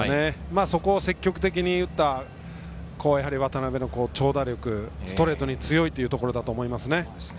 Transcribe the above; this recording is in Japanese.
そこを積極的に打った渡邉の長打力ストレートに強いというところだと思います。